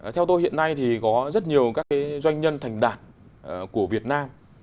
theo tôi hiện nay thì có rất nhiều các doanh nhân thành đạt của việt nam